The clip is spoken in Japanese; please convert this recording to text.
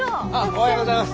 おはようございます。